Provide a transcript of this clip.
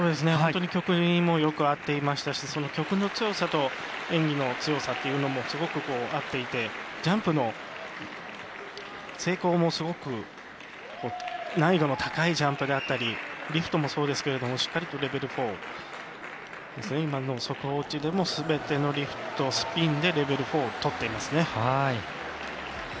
本当に曲にもよく合っていましたしその曲の強さと演技の強さというのもすごく合っていてジャンプの成功もすごく難易度の高いジャンプであったりリフトもそうですけれどもしっかりとレベル４速報値でもすべてのリフト、スピンでレベル４とっていますね。